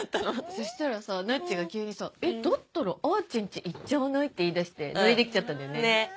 そしたらさなっちが急にさ「だったらあーちん家行っちゃわない？」って言い出してノリで来ちゃったんだよね。